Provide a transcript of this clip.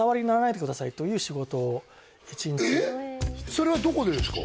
それはどこでですか？